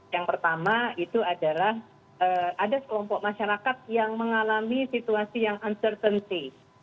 yang pertama itu adalah ada sekelompok masyarakat yang mengalami situasi yang uncertainty